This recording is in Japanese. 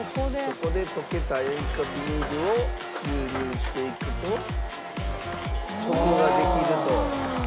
そこで溶けた塩化ビニルを注入していくと底ができると。